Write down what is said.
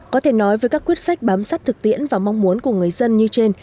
có thể nói với các quyết sách bám sát thực tiễn và mong muốn của người dân như trên